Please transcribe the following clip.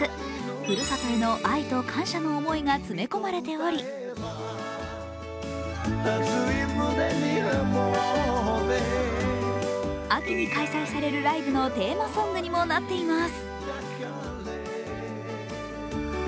ふるさとへの愛と感謝の思いが詰め込まれており秋に開催されるライブのテーマソングにもなっています。